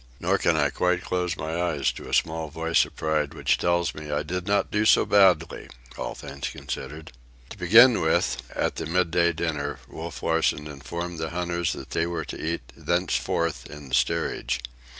Nor can I quite close my ears to a small voice of pride which tells me I did not do so badly, all things considered. To begin with, at the midday dinner, Wolf Larsen informed the hunters that they were to eat thenceforth in the steerage.